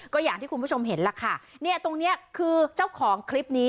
ก็อย่างที่คุณผู้ชมเห็นล่ะค่ะเนี่ยตรงเนี้ยคือเจ้าของคลิปนี้